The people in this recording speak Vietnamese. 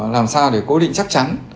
làm sao để cố định chắc chắn